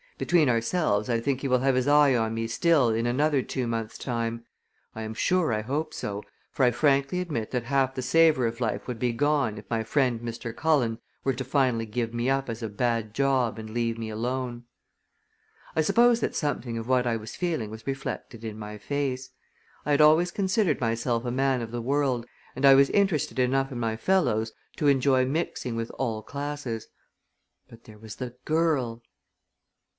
Between ourselves I think he will have his eye on me still in another two months' time. I am sure I hope so, for I frankly admit that half the savor of life would be gone if my friend, Mr. Cullen, were to finally give me up as a bad job and leave me alone." I suppose that something of what I was feeling was reflected in my face. I had always considered myself a man of the world and I was interested enough in my fellows to enjoy mixing with all classes. But there was the girl!